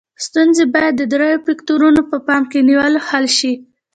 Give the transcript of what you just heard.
ستونزې باید د دریو فکتورونو په پام کې نیولو حل شي.